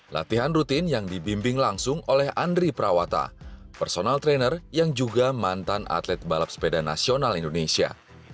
latihan rutin yang dibimbing langsung oleh andri prawata personal trainer yang juga mantan atlet balap sepeda nasional indonesia